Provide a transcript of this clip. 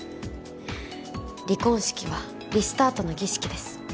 離婚式はリスタートの儀式です